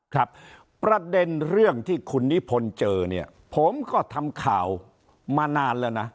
ครับประเด็นเรื่องที่คุณนิพนธ์เจอเนี่ยผมก็ทำข่าวมานานแล้วนะ